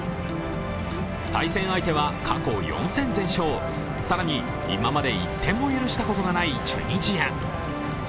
対戦相手は過去４戦全勝、更に今まで１点も許したことがないチュニジア。